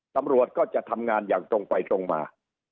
ตำรวจก็จะทำงานอย่างตรงไปตรงมา